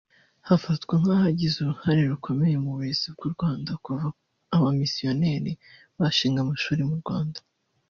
hafatwa nk’ahagize uruhare rukomeye mu burezi bw’u Rwanda kuva abamisiyoneri bashinga amashuri mu Rwanda